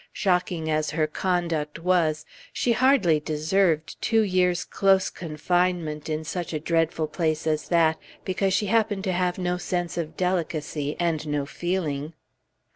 Shocking as her conduct was, she hardly deserved two years' close confinement in such a dreadful place as that, because she happened to have no sense of delicacy, and no feeling.